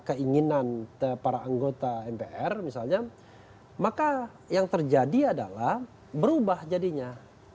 keinginan para anggota mpr misalnya maka yang terjadi adalah berubah jadinya